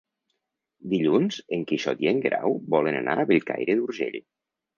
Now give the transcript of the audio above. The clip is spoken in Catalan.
Dilluns en Quixot i en Guerau volen anar a Bellcaire d'Urgell.